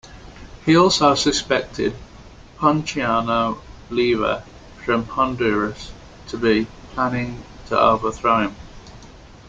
He also suspected Ponciano Leiva from Honduras to be planning to overthrow him.